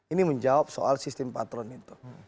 ini menjawab soal sistem patron itu